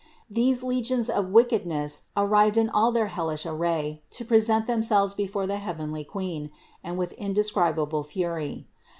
These legions of wickedness arrived in all their hellish array to present themselves before the heavenly Queen, and with indescribable fury.